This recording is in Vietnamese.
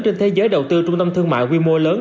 trên thế giới đầu tư trung tâm thương mại quy mô lớn